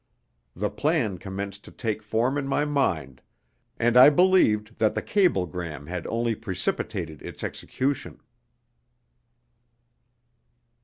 The plan commenced to take form in my mind, and I believed that the cablegram had only precipitated its execution.